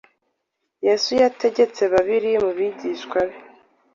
Yesu yategetse babiri mu bigishwa be